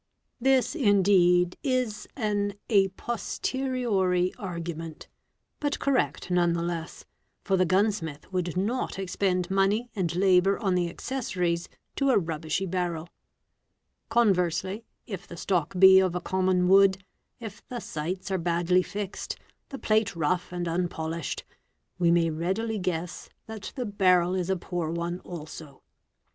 This, indeed, is an a posteriori = argument, but correct none the less, for the gunsmith would not expend | money and labour on the accessories to a rubbishy barrel. Conversely, if " the stock be of a common wood, if the sights are badly fixed, the plate rough and unpolished, we may readily guess that the barrel is a poor one also.